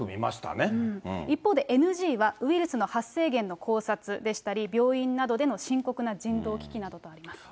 一方でＮＧは、ウイルスの発生源の考察などでしたり、病院などでの深刻な人道危機などとあります。